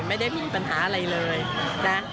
ไม่ได้มีปัญหาอะไรเลยนะ